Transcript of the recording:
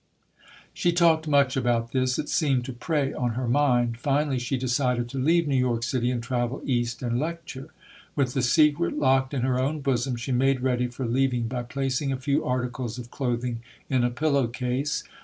She talked much about this. It seemed to prey on her mind. Finally she decided to leave New York City and travel east and lecture. With the secret locked in her own bosom, she made ready SOJOUKNER TRUTH [ 221 for leaving by placing a few articles of clothing in a pillow case.